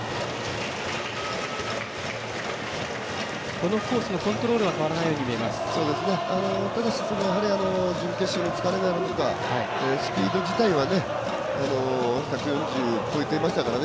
このコースのコントロールは変わらないようにただ、準決勝の疲れなのかスピード自体は１４０を超えてましたからね